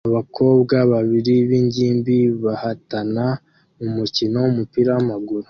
Abakobwa babiri b'ingimbi bahatana mu mukino w'umupira w'amaguru